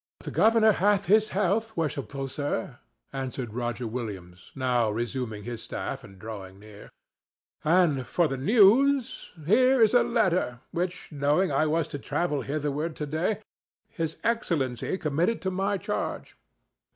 "The governor hath his health, worshipful sir," answered Roger Williams, now resuming his staff and drawing near. "And, for the news, here is a letter which, knowing I was to travel hitherward to day, His Excellency committed to my charge.